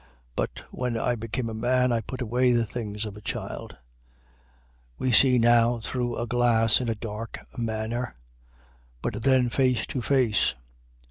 But, when I became a man, I put away the things of a child. 13:12. We see now through a glass in a dark manner: but then face to face.